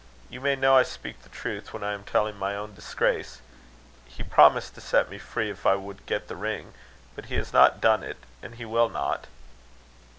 You may know I speak the truth, when I am telling my own disgrace. He promised to set me free if I would get the ring; but he has not done it; and he will not."